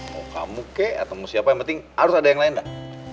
mau kamu kek atau mau siapa yang penting harus ada yang lain dah